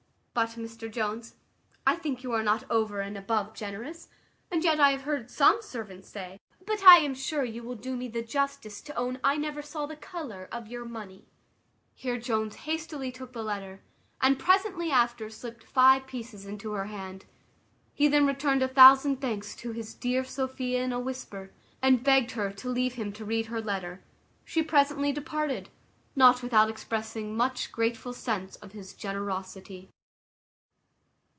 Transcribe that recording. But, Mr Jones, I think you are not over and above generous, and yet I have heard some servants say but I am sure you will do me the justice to own I never saw the colour of your money." Here Jones hastily took the letter, and presently after slipped five pieces into her hand. He then returned a thousand thanks to his dear Sophia in a whisper, and begged her to leave him to read her letter: she presently departed, not without expressing much grateful sense of his generosity.